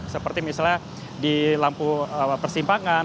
seperti misalnya di lampu persimpangan